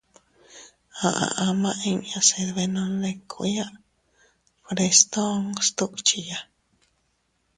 Aʼa ama inña se dbenondikuya Frestón sdukchiya.